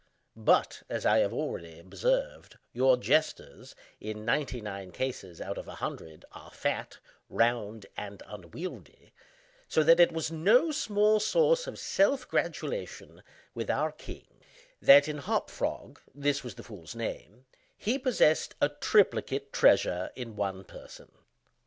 But, as I have already observed, your jesters, in ninety nine cases out of a hundred, are fat, round, and unwieldy—so that it was no small source of self gratulation with our king that, in Hop Frog (this was the fool's name), he possessed a triplicate treasure in one person.